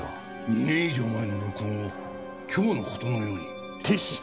２年以上前の録音を今日の事のように提出したんだ。